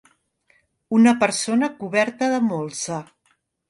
Una persona coberta de molsa.